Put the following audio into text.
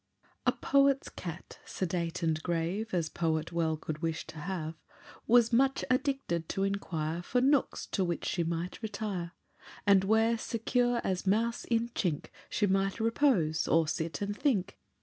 A poet's cat, sedate and grave As poet well could wish to have, Was much addicted to inquire For nooks to which she might retire, And where, secure as mouse in chink, She might repose, or sit and think.